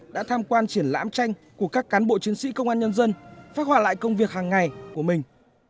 đã tham quan triển lãm tranh của các cán bộ chiến sĩ công an nhân dân phát hỏa lại công việc hàng ngày của mình